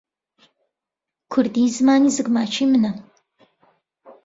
کوردی زمانی زگماکیی منە.